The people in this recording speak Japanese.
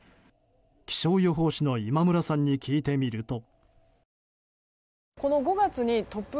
気象予報士の今村さんに聞いてみると。